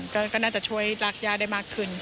ก็น่าจะช่วยรากย่าได้มากขึ้น